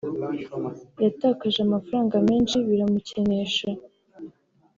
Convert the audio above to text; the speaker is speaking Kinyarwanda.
yatakaje amafaranga menshi biramukenesha